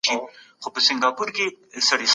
څېړونکو ثابته کړې چي علمي بډاينه د خوشحالۍ لامل کېږي.